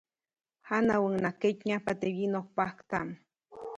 Janawäʼuŋnaʼajk ketnyajpa teʼ wyiʼnokpaktaʼm.